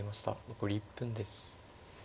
残り１分です。